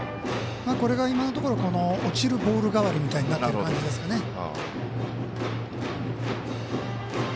これが今のところ落ちるボール代わりになってる感じですかね。